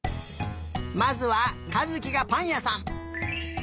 まずはかずきがぱんやさん。